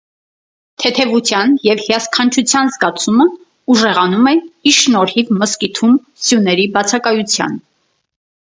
Թեթևության և հիասքանչության զգացումը ուժեղանում է ի շնորհիվ մզկիթում սյուների բացակայության։